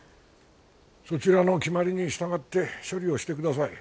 そちらの決まりに従って処理をしてください。